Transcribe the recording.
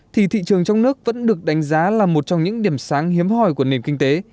thì thị trường trong nước vẫn được đánh giá là một trong những điểm sáng hiếm hỏi của nền kinh tế